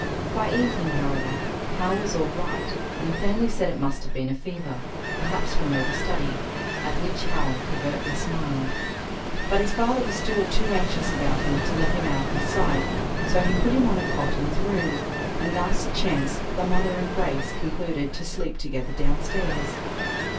By evening, however, Hal was all right, and the family said it must have been a fever, perhaps from overstudy, at which Hal covertly smiled. But his father was still too anxious about him to let him out of his sight, so he put him on a cot in his room, and thus it chanced that the mother and Grace concluded to sleep together downstairs.